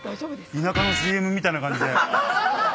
田舎のＣＭみたいな感じで。